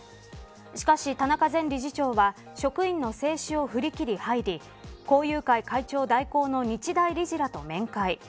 しかし、田中前理事長は職員の制止を振り切り入り校友会会長代行の日大理事らと面会。